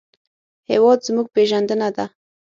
هېواد زموږ پېژندنه ده